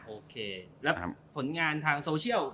โอเคแล้วผลงานทางโซเชียล